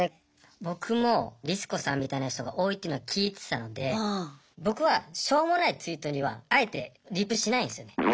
僕もリス子さんみたいな人が多いっていうのは聞いてたので僕はしょうもないツイートにはあえてリプしないんですよね。